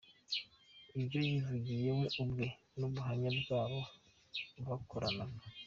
Ibyo yivugiye we ubwe n’ubuhamya bw’abo bakoranaga